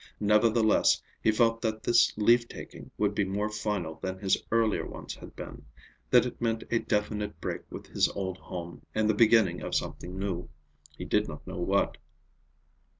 Nevertheless, he felt that this leave taking would be more final than his earlier ones had been; that it meant a definite break with his old home and the beginning of something new—he did not know what.